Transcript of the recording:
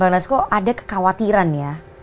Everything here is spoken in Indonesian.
bang nasko ada kekhawatiran ya